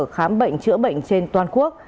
khám bệnh chữa bệnh trên toàn quốc